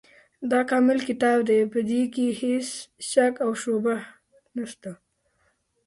دا کامل کتاب دی، په دي کي هيڅ شک او شبهه نشته